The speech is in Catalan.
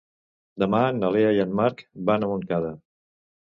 Demà na Lea i en Marc van a Montcada.